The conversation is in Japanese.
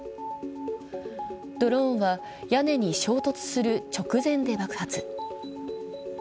ドローンは屋根に衝突する直前で爆発。